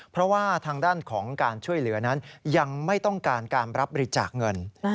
เพราะว่าทางด้านของการช่วยเหลือนั้นยังไม่ต้องการการรับบริจาคเงิน